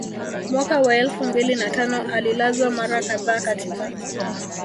Mwaka wa elfu mbili na tano alilazwa mara kadhaa katika